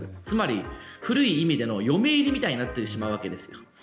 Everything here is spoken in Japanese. つまり古い意味での嫁入りみたいになってしまうわけです。